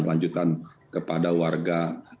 lanjutan kepada warga